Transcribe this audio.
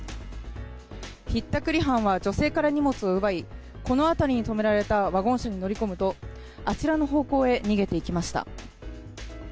ひったくり犯は女性から荷物を奪いこの辺りに止められたワゴン車に乗り込むとあちらの方向へ逃げていきました。